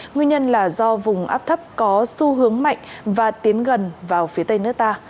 nguyên nhân là do vùng áp thấp có xu hướng mạnh và tiến gần vào phía tây nước ta